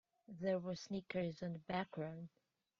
There were snickers from the background.